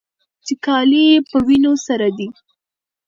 چې کالي يې په وينو سره دي.